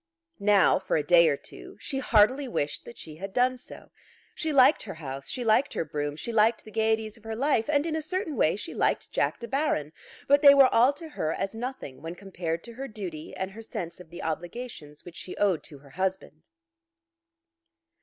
Now, for a day or two, she heartily wished that she had done so. She liked her house; she liked her brougham; she liked the gaieties of her life; and in a certain way she liked Jack De Baron; but they were all to her as nothing when compared to her duty and her sense of the obligations which she owed to her husband.